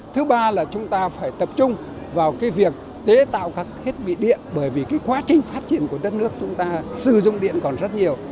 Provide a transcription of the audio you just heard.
thứ ba là chúng ta phải tập trung vào cái việc chế tạo các thiết bị điện bởi vì cái quá trình phát triển của đất nước chúng ta sử dụng điện còn rất nhiều